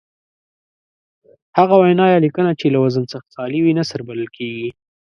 هغه وینا یا لیکنه چې له وزن څخه خالي وي نثر بلل کیږي.